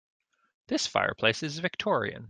This fireplace is Victorian.